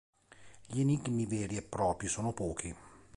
Gli enigmi veri e propri sono pochi.